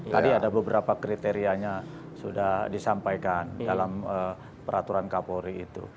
tadi ada beberapa kriterianya sudah disampaikan dalam peraturan kapolri itu